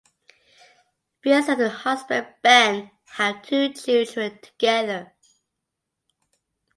Feist and her husband Ben have two children together.